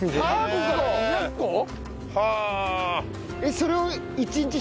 それを。